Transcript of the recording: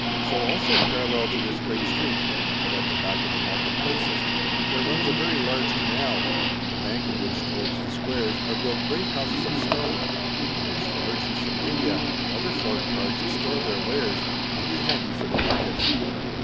So also jurallcl to this great street, but at the back of the market places, there runs a verv large canal, on the bank of which towards the squares arc built ^rtat houses of stone, in which the nu rchants irom Chap. LXXVII. THE GREAT CITY OF KINSAY. 159 India and other foreign parts store their wares, to be handy for the markets.